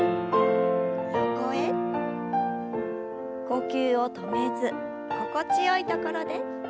呼吸を止めず心地よいところで。